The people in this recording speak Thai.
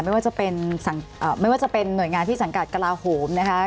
ไม่ว่าจะเป็นหน่วยงานที่สังการกระหลาโหมนะคะ